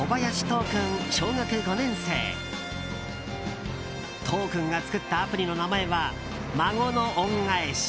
都央君が作ったアプリの名前は「孫の恩返し」。